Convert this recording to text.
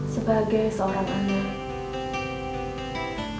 sebagai seorang anak